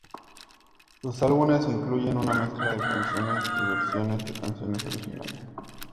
Sus álbumes incluyen una mezcla de canciones y versiones de canciones originales.